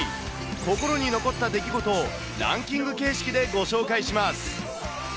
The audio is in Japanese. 心に残った出来事をランキング形式でご紹介します。